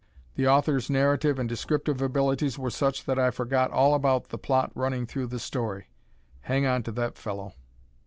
The author's narrative and descriptive abilities were such that I forgot all about the plot running throughout the story. Hang on to that fellow.